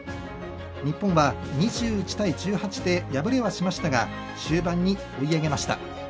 日本は２１対１８で敗れはしましたが終盤に追い上げました。